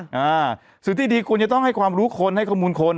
หรือที่ดีกว่าคุณจะต้องให้ความรู้คนให้ข้อมูลคน